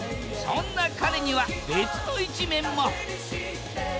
そんな彼には別の一面も！